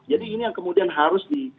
ini yang kemudian harus di